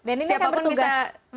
dan ini akan bertugas